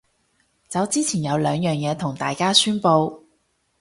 走之前有兩樣嘢同大家宣佈